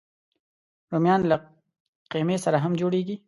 رومیان له قیمې سره هم جوړېږي